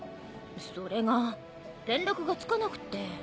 それが連絡がつかなくって。